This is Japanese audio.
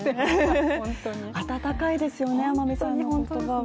温かいですよね、天海さんの言葉は。